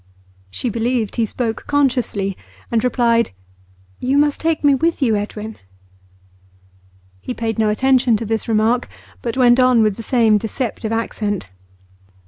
She believed he spoke consciously, and replied: 'You must take me with you, Edwin.' He paid no attention to this remark, but went on with the same deceptive accent.